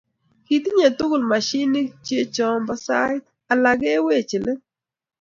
Kitinye tugul mashinik checho Che bo sait. Alak kowechech leet